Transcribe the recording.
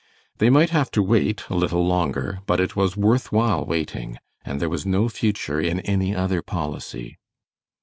They might have to wait a little longer, but it was worth while waiting, and there was no future in any other policy.